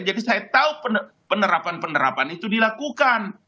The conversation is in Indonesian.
jadi saya tahu penerapan penerapan itu dilakukan